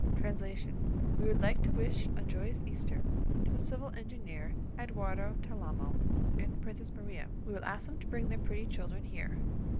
Translation: "We would like to wish a joyous Easter to the civil engineer Edoardo Talamo and the Princess Maria. We will ask them to bring their pretty children here.